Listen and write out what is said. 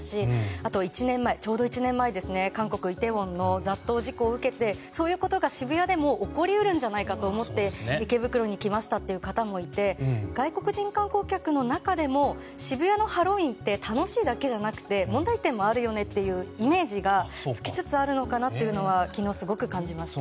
あと、ちょうど１年前韓国イテウォンの雑踏事故を受けてそういうことが、渋谷でも起こり得るんじゃないかと思って池袋に来ましたという方もいて外国人観光客の中にも渋谷のハロウィーンって楽しいだけじゃなくて問題点もあるというイメージがつきつつあるのかなというのを昨日、すごく感じました。